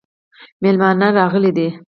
مېلمانه راغلي دي